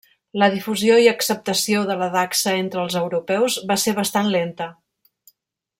La difusió i acceptació de la dacsa entre els europeus va ser bastant lenta.